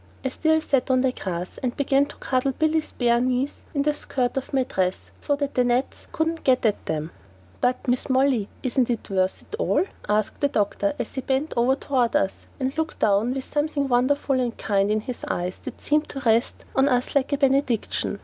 I still sat on the grass, and I began to cuddle Billy's bare knees in the skirt of my dress so the gnats couldn't get at them. "But, Mrs. Molly, isn't it worth it all?" asked the doctor as he bent over toward us and looked down with something wonderful and kind in his eyes that seemed to rest on us like a benediction.